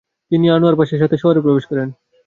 তিনি আনোয়ার পাশার সাথে শহরে প্রবেশ করেন।